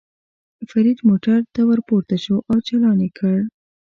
فرید موټر ته ور پورته شو او چالان یې کړ.